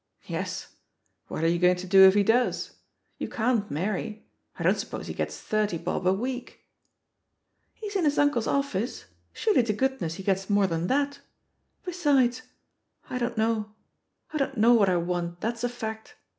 "Yes. What are you going to do if he does? You can't marry — I don't suppose he gets thirty bob a week." "He's in his uncle's oflSce; surely to goodness he gets more than that? Besides ... I don't know. I don't know what I want, that's a fact.